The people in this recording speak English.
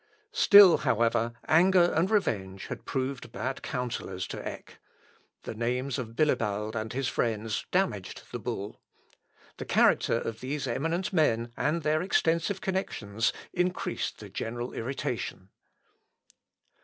Still, however, anger and revenge had proved bad counsellors to Eck. The names of Bilibald and his friends damaged the bull. The character of these eminent men and their extensive connections increased the general irritation.